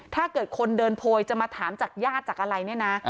ถ้าเกิดคนเดินโพยจะมาถามจากญาติจากอะไรเนี่ยนะ